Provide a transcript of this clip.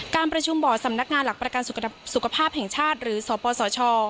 การประชุมบ่อสำนักงานหลักประกันสุขภาพแห่งชาติหรือสปสช